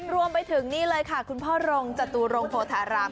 รวมไปถึงนี่เลยค่ะคุณพ่อรงจตุรงโพธาราม